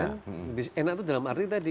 lebih enak itu dalam arti tadi